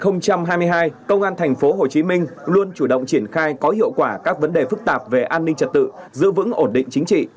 năm hai nghìn hai mươi hai công an tp hcm luôn chủ động triển khai có hiệu quả các vấn đề phức tạp về an ninh trật tự giữ vững ổn định chính trị